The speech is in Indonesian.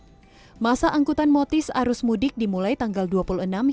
sementara rute angkutan motor gratis atau dikenal motis ini bisa dilakukan secara online